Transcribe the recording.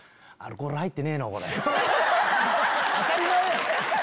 当たり前や！